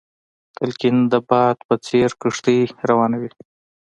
تلقين د باد په څېر کښتۍ روانوي.